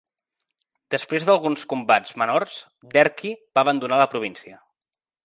Després d'alguns combats menors, Derqui va abandonar la província.